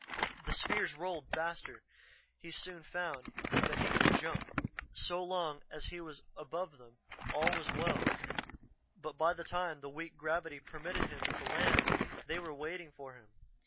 The spheres rolled faster, he soon found, than he could jump; so long as he was above them, all was well, but by the time the weak gravity permitted him to land, they were waiting for him.